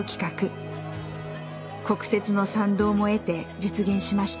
国鉄の賛同も得て実現しました。